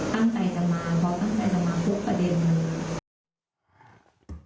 ตั้งใจจะมาเพราะตั้งแต่จะมาพบประเด็นนึง